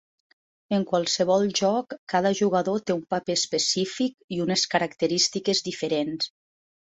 En qualsevol joc, cada jugador té un paper específic i unes característiques diferents.